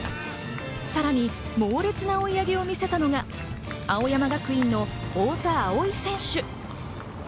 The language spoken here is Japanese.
さらに猛烈な追い上げを見せたのが青山学院の太田蒼生選手。